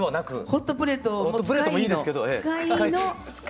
ホットプレートもいいですけど。